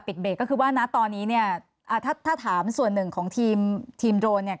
เบรกก็คือว่านะตอนนี้เนี่ยอ่าถ้าถ้าถามส่วนหนึ่งของทีมทีมโดรนเนี่ย